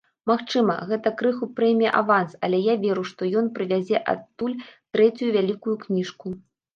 Магчыма, гэта крыху прэмія-аванс, але я веру, што ён прывязе адтуль трэцюю вялікую кніжку.